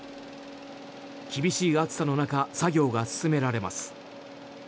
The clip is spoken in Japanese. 厳しい暑さの中作業が進められます。